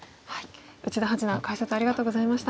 内田八段解説ありがとうございました。